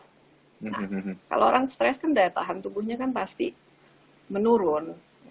nah kalau orang stres kan daya tahan tubuhnya kan pasti menurun